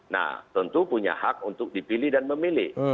nah tentu punya hak untuk dipilih dan memilih